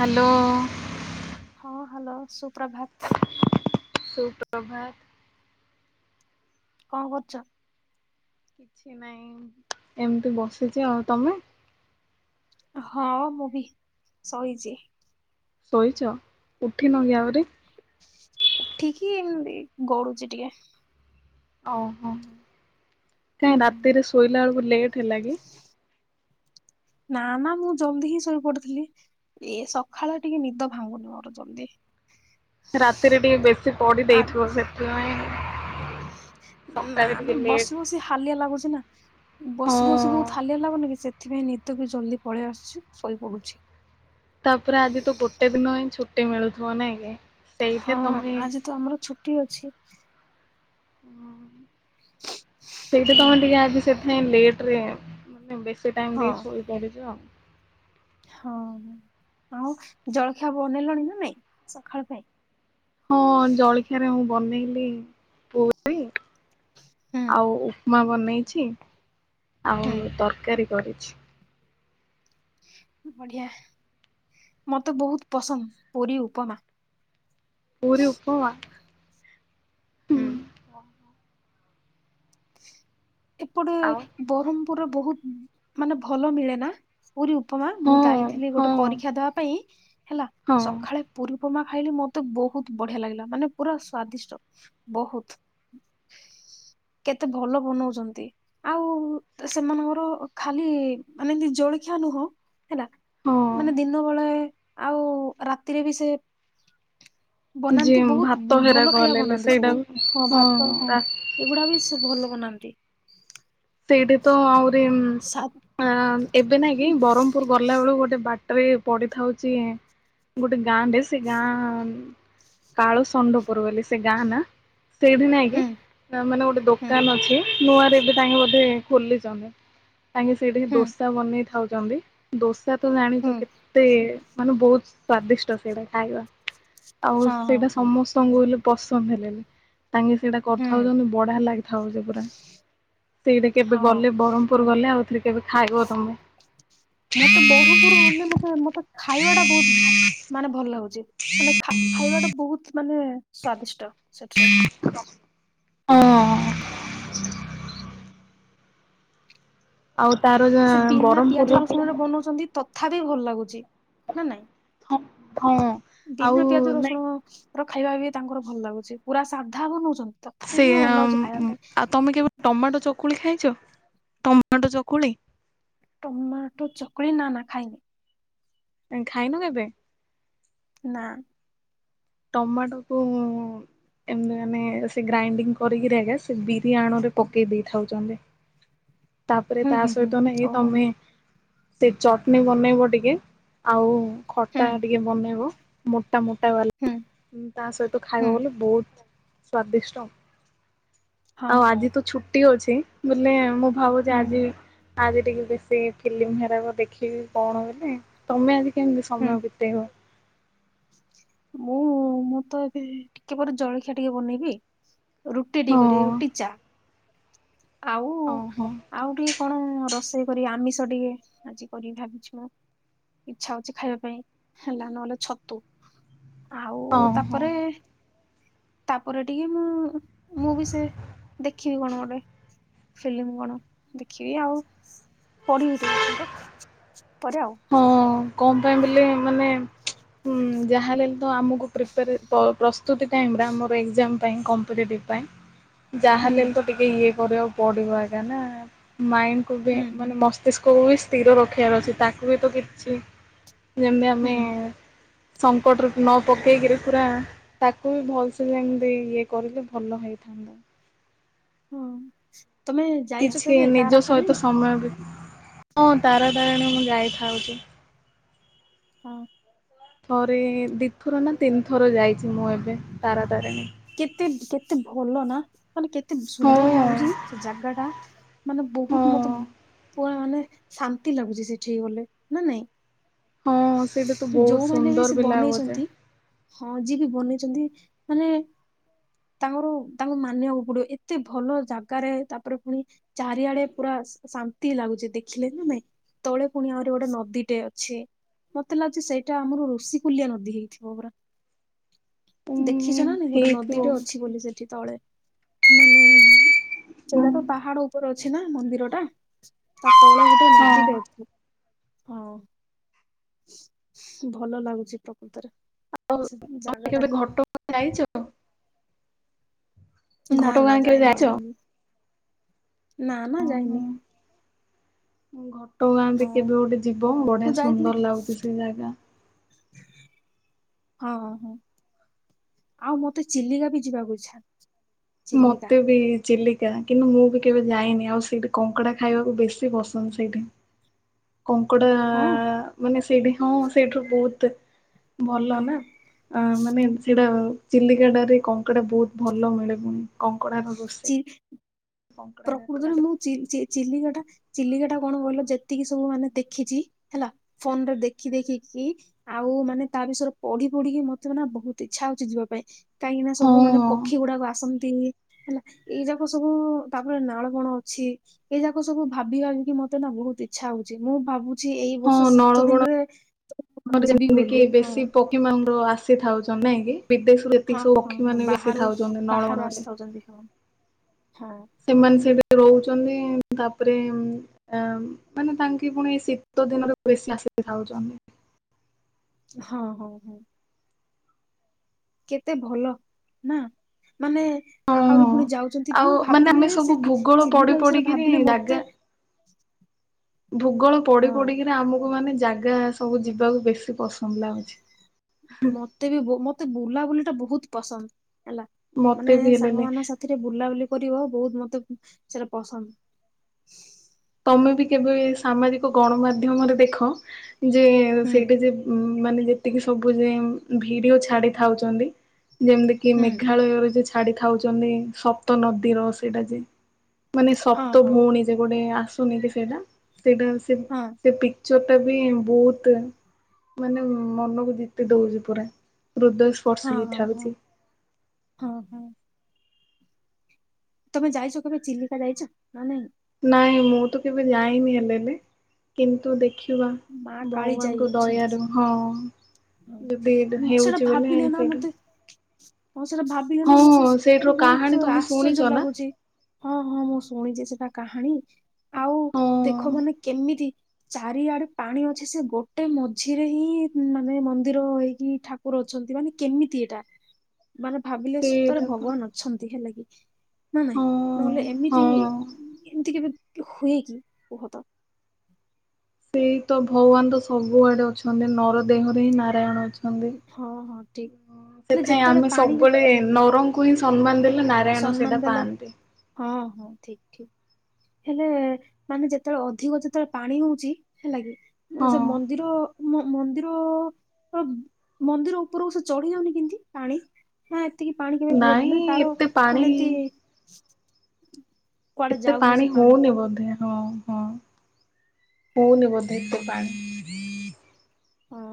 Hello. ହଁ hello ସୁପ୍ରଭାତ। ସୁପ୍ରଭାତ। କଣ କରୁଛ। କିଛି ନହିଁ ଏମିତି ବସିଛି ଆଉ ତମେ। ହଁ ମୁଁ ବି ସୋଇଛି। ସୋଇଛ ଉଠିନ କି ଆହୁରି। ଉଠିକି ଏମତି ଗଡୁଛି ଟିକେ। ଓହୋ ହୁଁ। କାହିଁ ରାତିରେ ଶୋଇଲା ବେଳକୁ ଲେଟ୍ ହେଲା କି। ନା ନା ମୁଁ ଜଲଦି ହିଁ ଶୋଇ ପଡିଥିଲି। ଏ ସକାଳ ଟିକେ ନିଦ ଭାଙ୍ଗୁନି ମୋର ଜଲଦି। ରାତିରେ ଟିକେ ବେଶୀ ପାଢ଼ୀ ଦେଇଥିବ ସେଥିପାଇଁ। ନା ସକାଳେ ଟିକେ ନା ଲେଟ୍ ବସି ବସି ହାଲିଆ ଲାଗୁଚି ନାଁ। ହଁ ବସି ବସି ବହୁତ ହାଲିଆ ଲଗୁନିକି ସେଥିପାଇଁ ନିଦ ବି ଜଲ୍ଦି ପଳେଇ ଆସୁଛି ଶୋଇ ପଡୁଛି। ତାପରେ ଆଜି ତ ଗୋଟେ ଦିନ ହିଁ ଛୁଟି ମିଳୁଥିବ ନାହିଁ କି। ସେଇଠି ହଁ ତମେ ଆଜି ତ ଆମର ଛୁଟି ଅଛି। ସେଇଟା ହୁଁ ତମେ ଟିକେ ଆଜି ସେଥିାଇଁ ଲେଟ ରେ ମାନେ ବେଶୀ ବେଶୀ ଟାଇମ ଟିକେ ହଁ ଶୋଇ ପଡ଼ିଛ। ହଁ ଆଉ ଜଳଖିଆ ବନେଇଲଣି ନା ନାଇଁ ସକାଳ ପାଇଁ। ହଁ ଜଳଖିଆରେ ମୁଁ ବନେଇଲି ପୁରି ହୁଁ ଆଉ ମା ବନେଇଛି ଆଉ ହୁଁ। ତରକାରୀ କରିଛି। ବଢ଼ିଆ ମତେ ବହୁତ ପସନ୍ଦ ପୁରୀ ଉପମା। ପୁରି ଉପମା। ହୁଁ। ଏପଟେ ଆଉ ବରହ୍ମପୁର ରେ ବହୁତ ମାନେ ଭଲ ମିଳେ ନା। ପୁରୀ ଉପମା ହଁ ମୁଁ ଯାଇଥିଲି ହଁ ଗୋଟେ ପରୀକ୍ଷା ଦବା ପାଇଁ ହେଲା ହଁ ସକାଳେ ପୁରୀ ଉପମା ଖାଇଲି ମତେ ବହୁତ ବଢ଼ିଆ ଲାଗିଲା ମାନେ ପୁରା ସ୍ଵାଦିଷ୍ଟ। ବହୁତ କେତେ ଭଲ ବନଉଛ ଆଉ ସେମାନଙ୍କର ଖାଲି ମାନେ ଏମିତି ଜଳଖିଆ ନୁହଁ। ହେଲା ହଁ ମାନେ ଦିନ ବଳେ ଆଉ ରାତିରେ ବି ସେ ଯେ ବନାନ୍ତି ବହୁତ ଭାତ ହେରା ଭଲ ଖାଇବା ଗଲେଲେ ବନାନ୍ତି ସେଇଟା ସବୁ ହଁ ଭାତ ହଁ। ଏଗୁଡା ବି ସେ ଭଲ ବାନାନ୍ତି। ସେଇଠି ତ ଆହୁରି ସା ଏବେ ନାଇକି ବରହ୍ମପୁର ବରହ୍ମପୁର ଗଲାବେଳକୁ ଗୋଟେ ବାଟରେ ପଡ଼ିଥାଉଛି ଗୋଟେ ଗାଁ ଟେ ସେ ଗାଁ କାଳୁସଣ୍ଡୁ ପୁରୁ ବୋଲି ସେ ଗାଁ ନା ସେଇଠି ନାଇଁ ହୁଁ କି ମାନେ ଗୋଟେ ହୁଁ ଦୋକାନ ଅଛି ନୂଆରେ ଏବେ ତାଙ୍କେ ଖୋଲିଛନ୍ତି ତାଙ୍କେ ସେଠିକି ହୁଁ ଦୋସା ବନେଇ ଖାଉଛନ୍ତି। ଦୋସା ତ ହୁଁ ଜାଣିଛ କେତେ ମାନେ ବହୁତ ସ୍ଵାଦିଷ୍ଟ ସେଇଟା ଖାଇବା। ଆଉ ହଁ ହଁ ସେଇଟା ହଁ ସମସ୍ତଙ୍କୁ ହେଲେ ପସନ୍ଦ ହେଲେଣିି ତାଙ୍କେ ସେଇଟା ହୁଁ କରିଥାଉଛନ୍ତି ବଢ଼ିଆ ଲାଗିଥାଉସେ ପୁରା। ସେଇଟା କେବେ ହଁ ଗଲେ ବରହ୍ମପୁର ଗଲେ ଆଉଥରେ କେବେ ଖାଇବ ତମେ। ମତେ ବରହ୍ମପୁର ଗଲେ ମତେ ମତେ ଖାଇବା ଟା ବହୁତ ମାନେ ଭଲ ଲାଗୁଛି। ମାନେ ଖାଇବାଟା ବହୁତ ମାନେ ସ୍ଵାଦିଷ୍ଟ ସେଠାରେ। ହଁ। ତାର ସେ ବିନା ପିଆଜ ବ୍ରହ୍ମପୁରରେ ରସୁଣ ରେ ବନଉଛନ୍ତି ତଥାପି ଭଲ ଲାଗୁଛି ନା ନାଇଁ। ହଁ, ହଁ। ଆଉ ବିନା ପିଆଜ ନାଇଁ ରସୁଣ ର ଖାଇବା ବି ତାଙ୍କର ଭଲ ଲାଗୁଛି ପୁରା ସାଧା ବନଉଛନ୍ତି। ତଥାପି ସେ ବି ଭଲ ଲାଗୁଛି ଖାଇବା ପାଇଁ ଆଉ ତମେ କେବେ ଟମାଟୋ ଚକୁଳି ଖାଇଛ ଟମାଟୋ ଚକୁଳି। ଟମାଟୋ ଚକୁଳି ନା ନା ଖାଇନି। ଆଁ ଖାଇନ କେବେ? ନା। ଟମାଟୋକୁ ଏମିତି ମାନେ ସେ ଗ୍ରାଇଣ୍ଡିଙ୍ଗ୍ କରିକିରି ଆଗେ ସେ ବିରିଆଣରେ ପକେଇ ଦେଇ ଖାଉଚନ୍ତି। [inaudible] ତାପରେ ତା ହୁଁ ହୁଁ ସହିତ ନାଇ ଓହୋ ତମେ ସେ ଚଟନୀ ବନେଇବ ଟିକେ ଆଉ ହୁଁ ଖଟା ଟିକେ ବନେଇବ ମୋଟା ମୋଟା ବାଲ୍ ହୁଁ ତା ସହିତ ହୁଁ ଖାଇବ ବୋଲି ବୋହୁତ ସ୍ଵାଦିଷ୍ଟ। ହଁ ଆଉ ହଁ ଆଜି ତ ଛୁଟି ଅଛି ବୋଲେ ମୁଁ ଭାବୁଚି ହୁଁ ଆଜି ଆଜି ଟିକେ ବେଶୀ ଫିଲ୍ମ ହେରାକ ଦେଖିକି କଣ ବୋଲେ ତମେ ଆଜି କେମତି ହୁଁ ସମୟ ବିତେଇବ? ମୁଁ ମୁଁ ତ ଏବେ ଟିକେ ପରେ ଜଳଖିଆ ଟିକେ ବନେଇବି। ରୁଟି ଟିକେ ହଁ କରି ରୁଟି, ଚାଆ ଆଉ ଓହୋ ଆଉ ଟିକେ କଣ ରୋଷେଇ କରି ଆମିଷ ଟିକେ ଆଜି କରିିବି ଭାବିଛି ମୁଁ। ଇଚ୍ଛା ଅଛି ଖାଇବା ପାଇଁ ହେଲା ନହେଲେ ଛ ତୋ ଆଉ ଓହୋ। ତାପରେ ତାପରେ ଟିକେ ମୁଁ ମୁଁ ବି ସେ ଦେଖିବି କଣ ଗୋଟେ। ଫିଲିମ କଣ ଦେଖିବି ଆଉ ପଢିବି ଟିକେ କିନ୍ତୁ। ପରେ ଆଉ। ହଁ କଣ ପାଇଁ ବୋଇଲେ ମାନେ ହୁଁ ଯାହାହେଲେଲ ତ ଆମକୁ ପ୍ରିପାରେ ପ୍ର ପ୍ରସ୍ତୁତି ଟାଇମରେ ଆମର ଏଗଜାମ ପାଇଁ କମ୍ପିଟେଟିଭ ପାଇଁ ହୁଁ ଯାହାହେଲେଲ ତ ଟିକେ ଇଏ କରିବାକୁ ପଡିବ ଆଗେ ନା ମାଇଣ୍ଡକୁ ବି ହୁଁ ହୁଁ ମାନେ ମସ୍ ମସ୍ତିଷ୍କକୁ ବି ସ୍ତିର ରଖିବାର ଅଛି ତାକୁ ବି ତ କିଛି ଯେମତି ହୁଁ ଆମେ ସଙ୍କଟରେ ନ ପକେଇକିରି ପୁରା ତାକୁ ବି ଭଲସେ ଯେମତି ଇଏ କରିଲେ ଭଲ ହେଇଥାନ୍ତା। ହଁ। ତମେ ଯାଇଛ କିଛି କେବେ ନିଜ ସହିତ ତାରାତାରିଣୀ? ସମୟ ବି ହଁ ତାରାତାରିଣୀ ମୁଁ ଯାଇଥାଉଚି। ହଁ। ଥରେ ଦିଥର ନା ତିନିଥର ଯାଇଚି ମୁଁ ଏବେ ତାରାତାରିଣୀ। କେତେ କେତେ ଭଲନା। ମାନେ କେତେ ହଁ ସୁନ୍ଦର ଲାଗୁଚି ସେ ଜାଗାଟା ମାନେ ହଁ ବୋହୁତ ମତେ ପୁରା ମାନେ ଶାନ୍ତି ଲାଗୁଚି ସେଠିକି ଗଲେ ନା ନାଇଁ। ହଁ ସେଇଟା ତ ବହୁତ ଯୋଉମାନେ ବି ସୁନ୍ଦର ସେ ଲାଗୁଛି। ବନେଇଚନ୍ତି ହଁ ଯିଏ ବି ବନେଇଚନ୍ତି ମାନେ ତାଙ୍କର ତାଙ୍କୁ ମାନିବାକୁ ପଡିବ ଏତେ ଭଲ ଜାଗାରେ ତାପରେ ଫୁଣି ଚାରିଆଡେ ପୁରା ଶ-ଶାନ୍ତି ଲାଗୁଚି ଦେଖିଲେ ନା ନାଇଁ। ତଳେ ପୁଣି ଆହୁରି ଗୋଟେ ନଦୀଟେ ଅଛି। ମତେ ଲାଗୁଚି ସେଇଟା ଆମର ଋଷିକୁଲ୍ୟା ନଦୀ ହେଇଥିବ ପରା। ଉଁ ଦେଖିଚ ନା ନାଇଁ ଗୋଟେ ହେଇଥିବ ନଦୀଟେ ବୋଧେ। ଅଛି ବୋଲି ସେଠି ତଳେ। ମାନେ ହଁ ସେଇଟା ତ ପାହାଡ ଉପରେ ଅଛି ନା ମନ୍ଦିରଟା ତା ତଳେ ଗୋ ଟେ ନଦୀଟେ ଅଛି ହଁ। ଭଲ ଲାଗୁଛି ପ୍ରକୃତିରେ। ଆଉ ଆଉ କେବେ ଘଟଗାଁ ଯାଇଚ? ନା ନା ଘଟଗାଁ କେବେ ଯାଇନି ଯାଇଛ? ଯାଇନି ନା ନା ଯାଇନି। ଘଟଗାଁ ହଁ ବି କେବେ ଗୋଟେ ଯିବ ମୁଁ ବଢିଆ ଯାଇଥିଲି ସୁନ୍ଦର ଲାଗୁଚି ସେ ଜାଗା। ହଁ ହଁ ଆଉ ମତେ ଚିଲିକା ବି ଯିବାକୁ ଇଛା। ମତେ ବି। ଚିଲିକା କିନ୍ତୁ ମୁଁ ବି କେବେ ଯାଇନି ଆଉ ସେଇଠି କଙ୍କଡା ଖାଇବାକୁ ବେଶୀ ପସନ୍ଦ ସେଇଠି। କଙ୍କଡ଼ା ଆ ହଁ ମାନେ ସେଇଠି ହଁ ସେଇଠୁ ବହୁତ ଭଲ ନା, ମାନେ ସେଇଟା ଚିଲିକା ଠାରେ କଙ୍କଡ଼ା ବହୁତ ଭଲ ମିଳେ, ପୁଣି କଙ୍କଡାର ରୋଷେ ଚି ପ୍ରକୃତରେ ମୁଁ ଚି- ଚି ଚିଲିକାଟା ଚିଲିକାଟା କଣ କହିଲ, ଯେତିକି ସବୁ ମାନେ ଦେଖିଛି ହେଲା ଫୋନରେ ଦେଖି ଦେଖିକି ଆଉ ମାନେ ତା ବିଷୟରେ ପଢି ପଢିକି ମତେ ନା, ବହୁତ ଇଚ୍ଛା ହଉଛି ଯିବା ପାଇଁ। କାଇଁକିନା ସବୁ ମାନେ ହଁ ପକ୍ଷୀ ଗୁଡାକ ଆସନ୍ତି ହେଲା, ଏଇ ଯାକ ସବୁ ତାପରେ ନାଳ ବଣ ଅଛି, ଏଇ ଯାକ ସବୁ ଭାବି ଭାବିକି ମତେ ନା ବହୁତ ଇଚ୍ଛା ହଉଛି। ମୁଁ ଭାବୁ ଛି ଏଇ ହଁ ବର୍ଷ ଶୀତ ନଳବଣ ଦିନରେ ତ ଯିବି ବୋଲି ହଁ। ପକ୍ଷୀମାନେ ଆସିଥାଉଛନ୍ତି ନାଇଁକି ବିଦେଶ ହଁ- ହଁ- ହଁ ବାହାରୁ ଆସି, ବାହାରୁ ନଳବଣରେ। ଆସିଥାଉଛନ୍ତି ହଁ। ସେମାନେ ସେଇଠି ରହୁଛନ୍ତି, ତାପରେ ଅ ମାନେ ତାଙ୍କି ପୁଣି ଏ ଶୀତ ଦିନରେ ବେଶୀ ଆସିିକି ଥାଉଛନ୍ତି। ହଁ- ହଁ- ହଁ। କେତେ ଭଲ ନା ମାନେ ଆହୁରି ହଁ ପୁଣି ଯାଉଛନ୍ତି, ଆଉ ମୁଁ ମାନେ ଭାବିଲି ଆମେ ସବୁ ସେ ଭୂଗୋଳ ପଢି ଚିଲିକା ବିଷୟରେ ପଢିକିରି ଭାବିଲେ ଜାଗା ମତେ ଭୂଗୋଳ ପଢି ହଁ ପଢ଼ିକିନା, ଆମକୁ ମାନେ ଜାଗା ସବୁ ଯିବାକୁ ବେଶୀ ପସ ଭଲ ଲାଗୁଚି ହୁଁ। ମତେ ବି ମତେ ବୁଲାବୁଲି ଟା ବହୁତ ପସନ୍ଦ ହେଲା, ମତେ ମାନେ ବି ହେଲେଲେ ସାଙ୍ଗମାନଙ୍କ ସ ସାଥିରେ ବୁଲାବୁଲି କରିବ, ବହୁତ ମତେ ସେଟା ପସନ୍ଦ। ତମେ ବି କେବେ ସାମାଜିକ ଗଣମାଧ୍ୟମରେ ଦେଖ, ଯେ ହୁଁ ସେଇଟା ଯେ ଉଁ ମାନେ ଯେତିକି ସବୁ ଯେ ଭିଡିଓ ଛାଡି ଥାଉଛନ୍ତି, ଯେମିତି କିଏ ହୁଁ ମେଘାଳୟରେ ଯେ ଛାଡି ଖାଉଛନ୍ତି, ସପ୍ତନଦୀର ସେଇଟା ଯେ ମାନେ ହଁ ସପ୍ତ ହଁ ଭଉଣୀ ଯେ ଗୋଟେ ଆସୁନି କି ସେଇଟା, ସେଇଟା ସେ ହଁ ସେତି ଇଟା ବି ବହୁତ, ମାନେ ମନକୁ ଜିତି ଦଉଛି ପୁରା। ହୃଦୟ ସ୍ପର୍ଶୀ ହଁ- ଗୀତ ହଁ- ହଉଛି ହଁ- ହଁ- ହଁ। ତମେ ଯାଇଚ କେବେ ଚିଲିକା ଯାଇଚ, ନା ନାଇଁ? ନାଇଁ ମୁଁ ତ କେବେ ଯାଇନି ହେଲେ ବି, କିନ୍ତୁ ଦେଖି ଖିବା ମା କାଳି ଭଗବାନଙ୍କୁ ଦୟାରୁ ହଁ। ଯଦି ଏଇଟା ମୁଁ ସେଟା ହେଉଛି ବୋଲେ ଭାବିଲେ ନା ସେଇଠୁ ମତେ, ମୁଁ ସେଟା ଭାବ ବିଲେ ହଁ ନା ମତେ ମାନେ ସେଇଠାରୁ କାହାଣୀ ବହୁତ ତମେ ଶୁଣିଛ ଆଶ୍ଚର୍ଯ୍ୟ ନା? ଲାଗୁଛି। ହଁ- ହଁ- ମୁଁ ଶୁଣିଛି ସେଟା କାହାଣୀ, ଆଉ ହଁ ଦେଖ ମାନେ କେମିତି ଚାରିଆଡେ ପାଣି ଅଛି, ସେ ଗୋଟେ ମଝିରେ ହିଁ ମାନେ ମନ୍ଦିର ହେଇକି ଠାକୁର ଅଛନ୍ତି, ମାନେ କେମିତି ଏଇଟା? ମାନେ ଭାବିଲେ, ସତରେ ସେଇଟା ତ ଭଗବାନ ଅଛନ୍ତି ହେଲା କିି। ନା ନାଇଁ ହଁ ନହେଲେ ଏମିତି, ହଁ। ଏମିତି କେବେ ହୁଏ କି କୁହତ? ସେଇ ତ ଭଗବାନ ତ ସବୁଆଡେ ଅଛନ୍ତି। ନର ଦେହରେ ହିଁ ନାରାୟଣ ଅଛ ହଁ ହଁ ଠିକ ହେଲେ ସେଥିଆଇଁ ଯେତେବେଳେ ଆମେ ପାଣି ସବୁବେଳେ ନରଙ୍କୁ ହିଁ ସମ୍ମାନ ଦେଲେ ନାରାୟଣ ସମ୍ମାନ ସେଇଟା ଦେଲେ ପାଆନ୍ତି। ହଁ- ହଁ ଠିକ୍ ଠିକ୍। ହେଲେ ମାନେ ଯେତେବେଳେ ଅଧିକ ଯେତେବେଳେ ପାଣି ହଉଛି, ହେଲା କିି ସେ ହଁ। ମନ୍ଦିର ମ- ମ- ମନ୍ଦିର ମନ୍ଦିର ଉପରକୁ ସେ ଚଢି ଯାଉନି କେମିତି ପାଣି? ହଁ ଏତିକି ପାଣି କେବେ ହୁଏନି ନାଇଁ ନା, ତାର ଏତେ ପାଣି ମାନେ ଏମିତି କୁଆଡେ ଏତେ ଯାଉଛି ପାଣି ସେ ପାଣି ହଉନି ବୋଧେ, ହଁ- ହଁ ହଉନି ବୋଧେ ଏମିତି ପାଣି? ହଁ।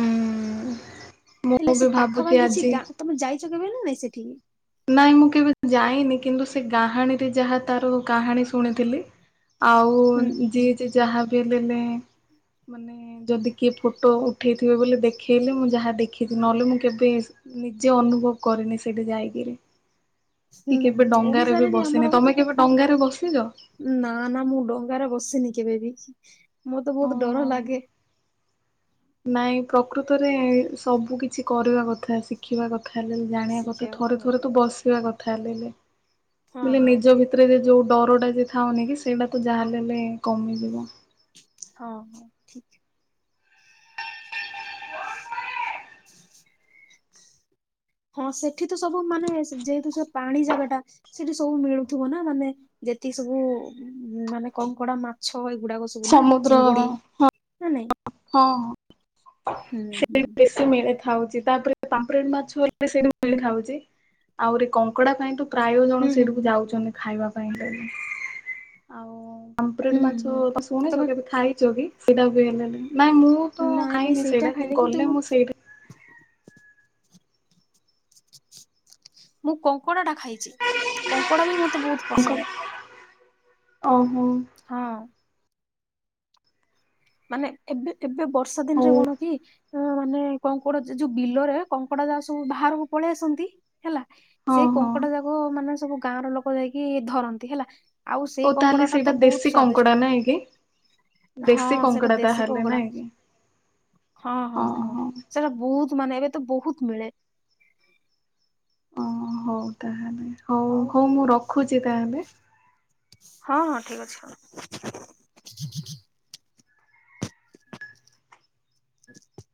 ଉଁ ହେଲେ ମୁଁ ସେ ବି ଭାବୁଛି ପାଖାପାଖି କିଛି ଆଜି ଗାଁ, ତମେ ଯାଇଛ କେବେ ନା ନାଇଁ ସେଠିକି? ନାଇଁ ମୁଁ କେବେ ଯାଇନି, କିନ୍ତୁ ସେ କାହାଣୀରେ ଯାହା ତାର କାହାଣୀ ଶୁଣିଥିଲି, ଆଉ ହୁଁ ଯିଏ ଯାହା ବି ହେଲେ ମାନେ ଯଦି କିଏ ଫଟୋ ଉଠେଇଥିବେ ବୋଲି ଦେଖେଇଲେ ମୁଁ ଯାହା ଦେଖିଛି, ନହେଲେ ମୁଁ କେବେ ନିଜେ ଅନୁଭବ କରିନି ସେଇଠି ଯାଇକିରି କି କେବେ ହୁଁ ଡଙ୍ଗାରେ ବି ଓଡିଶାରେ ବସିନି ଆମର ତମେ କେବେ ଡଙ୍ଗାରେ ବସିଚ? ନା ନା ମୁଁ ଡଙ୍ଗାରେ ବସିନି କେବେବି ମତେ ବହୁତ ଡର ହଁ। ଲାଗେ। ନାଇଁ ପ୍ରକୃତରେ ସବୁ କିଛି କରିବା କଥା ଶିଖିବା କଥା ହେଲେ ଜାଣିବା କଥା ଶିଖିବା ଥରେ ହଁ ଥରେ ତୁ ବସିବା କଥା ହେଲେ ହଁ ବେଲେ ହଁ ନିଜ ଠିକ ଭିତରେ ଯେ ଯୋଉ ଡରଟା ଯେ ଥାଉନି କି ସେଇଟା ତ ଯାହା ହେଲେ ହେଲେ କମିଯିବ। ହଁ ହଁ ଠିକ [inaudible] ହଁ ସେଠି ତ ସବୁ ମାନେ ଯେହେତୁ ସେ ପାଣି ଜାଗା ଟା ସେଠି ସବୁ ମିଳୁଥିବ ନା ମାନେ ଯେତିକି ସବୁ ମାନେ କଙ୍କଡା, ମାଛ ଏଗୁଡାକ ସବୁ ନା ସମୁଦ୍ର ଚିଙ୍ଗୁଡି ହଁ ହଁ ନା ନାଇଁ ହଁ ହୁଁ ହୁଁ ସେଟି ବେଶୀ ମିଳେ ଥାଉଛି ତାପରେ ପାମ୍ପରେଟ୍ ମାଛ ଏତେ ସେଇଠି ମିଳି ଥାଉଛି ଆହୁରି କଙ୍କଡା ପାଇଁ ତ ପ୍ରାୟ ଜଣ ହୁଁ ହୁଁ ସେଇଠିକୁ ଯାଉଛନ୍ତି ଖାଇବା ପାଇଁ ଆଉ ପାମ୍ପରେଟ୍ ହୁଁ ହୁଁ ହୁଁ ମାଛ ଶୁଣିଛ ତମେ କେବେ ଖାଇଛ କି ସେଇଟା ବି ହେଲେ ନାଇଁ ମୁଁ ମୁଁ ତ ନାଇଁ ନାଇଁ ଖାଇନି ସେଇଟା କିନ୍ତୁ ଖାଇନି ଗଲେ ମୁଁ ସେଇଠୀ ମୁଁ କଙ୍କଡ଼ାଟା ଖାଇଛି କଙ୍କଡ଼ା ବି ମତେ ବହୁତ ପସନ୍ଦ। ଓହୋ ହଁ ମାନେ ଏବେ ଏବେ ବର୍ଷା ଦିନରେ ହଉ କଣ କି ଅଁ ମାନେ କଙ୍କଡ ଯୋଉ ବିଲରେ କଙ୍କଡା ଯାହା ସବୁ ବାହାରକୁ ପଳେଇ ଆସନ୍ତି। ହେଲା ହଁ ସେ ହଁ କଙ୍କଡା ଯାକ ମାନେ ସବୁ ଗାଁର ଲୋକ ଯାଇକି ଧରନ୍ତି ହେଲା ଆଉ ଓ ସେଇ ତାହେଲେ କଙ୍କଡାଟା ସେଇଟା ତ ବହୁତ ଦେଶୀ ସ୍ଵାଦିଷ୍ଟ କଙ୍କଡା ନାଇଁ କି? ଦେଶୀ ହଁ। ସେଟା କଙ୍କଡା ଦେଶୀ ତାହେଲେ କଙ୍କଡା ନାଇଁ କି? ହଁ ହଁ ହଁ ସେଲା ବହୁତ ମାନେ ଏବେ ତ ବହୁତ ମିଳେ। ଓ ହଉ ତାହେଲେ ହଉ ହଉ ମୁଁ ରଖୁଛି ତାହେଲେ। ହଁ ହଁ ଠିକ ଅଛି ହଁ। [inaudible]